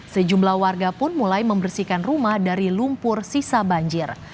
sejumlah warga pun mulai membersihkan rumah dari lumpur sisa banjir